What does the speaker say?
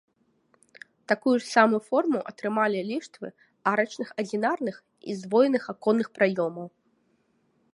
Такую ж самую форму атрымалі ліштвы арачных адзінарных і здвоеных аконных праёмаў.